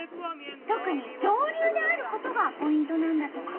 特に上流であることがポイントなんだとか。